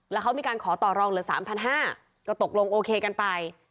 แล้วเขามีการขอต่อรองเหลือ๓๕๐๐ก็ตกลงโอเคกันไป